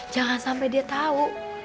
jangan sampai dia tahu